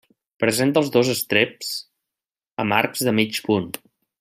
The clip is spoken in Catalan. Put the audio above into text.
Presenta els dos estreps amb arcs de mig punt.